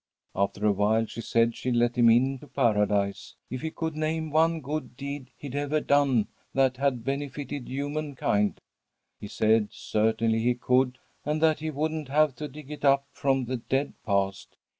"After awhile she said she'd let him in to Paradise if he could name one good deed he'd ever done that had benefited human kind. He said certainly he could, and that he wouldn't have to dig it up from the dead past.